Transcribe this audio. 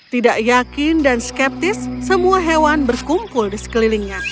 tidak yakin dan skeptis semua hewan berkumpul di sekelilingnya